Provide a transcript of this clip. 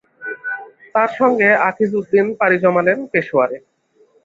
তাঁর সঙ্গে আকিজউদ্দীন পাড়ি জমালেন পেশোয়ারে।